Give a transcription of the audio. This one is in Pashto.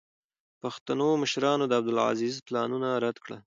پښتنو مشرانو د عبدالعزیز پلانونه رد کړل.